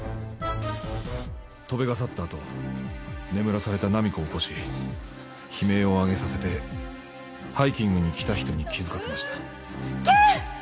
戸辺が去ったあと眠らされた菜実子を起こし悲鳴を上げさせてハイキングに来た人に気づかせました。